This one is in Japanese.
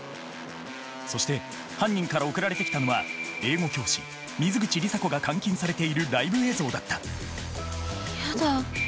そして犯人から送られてきたのは英語教師水口里紗子が監禁されているライブ映像だったやだ。